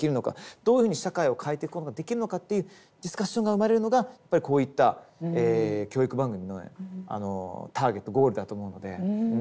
どういうふうに社会を変えていくことができるのかっていうディスカッションが生まれるのがやっぱりこういった教育番組のねターゲットゴールだと思うので。